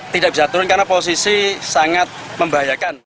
tidak bisa turun karena posisi sangat membahayakan